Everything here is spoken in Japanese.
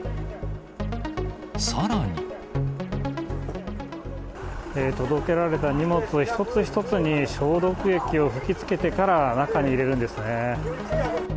さらに。届けられた荷物一つ一つに、消毒液を吹きつけてから中に入れるんですね。